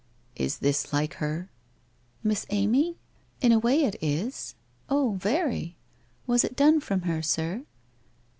'Is this like her?' * Miss Amy? In a way it is. Oh, very. Was it done from her, sir